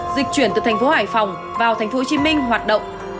dịch chuyển từ thành phố hải phòng vào thành phố hồ chí minh hoạt động